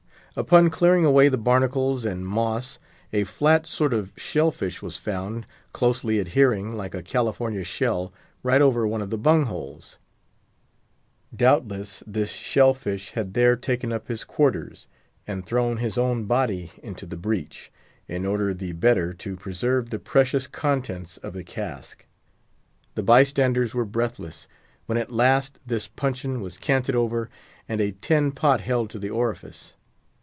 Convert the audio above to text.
Upon clearing away the barnacles and moss, a flat sort of shell fish was found, closely adhering, like a California shell, right over one of the bungs. Doubtless this shell fish had there taken up his quarters, and thrown his own body into the breach, in order the better to preserve the precious contents of the cask. The by standers were breathless, when at last this puncheon was canted over and a tin pot held to the orifice.